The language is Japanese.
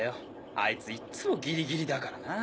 あいついっつもギリギリだからな。